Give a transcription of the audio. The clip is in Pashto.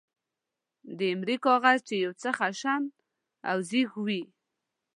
د ایمرۍ کاغذ، چې یو څه خشن او زېږ وي.